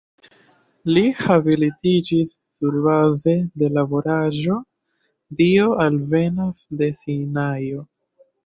Li habilitiĝis surbaze de laboraĵo "Dio alvenas de Sinajo.